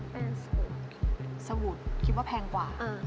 แป้งสบู่สบู่คิดว่าแพงกว่า